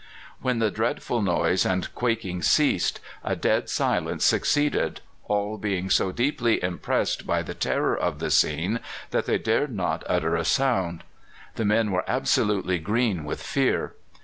When the dreadful noise and quaking ceased, a dead silence succeeded, all being so deeply impressed by the terror of the scene that they dared not utter a sound. The men were absolutely green with fear.